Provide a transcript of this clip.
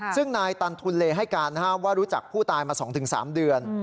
ซึ่งนายตันทุนเลให้การว่ารู้จักผู้ตายมา๒๓เดือน